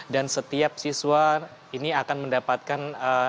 dan setiap siswa ini akan mendapatkan